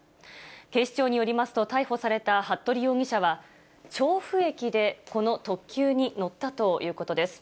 警視庁によりますと、逮捕された服部容疑者は、調布駅でこの特急に乗ったということです。